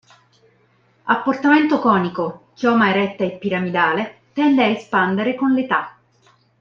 Ha portamento conico, chioma eretta e piramidale, tende a espandere con l'età.